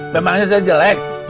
memangnya saya jelek